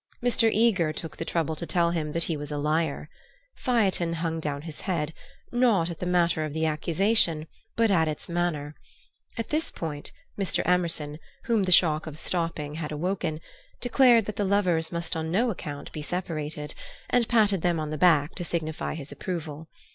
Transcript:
Mr. Eager took the trouble to tell him that he was a liar. Phaethon hung down his head, not at the matter of the accusation, but at its manner. At this point Mr. Emerson, whom the shock of stopping had awoke, declared that the lovers must on no account be separated, and patted them on the back to signify his approval.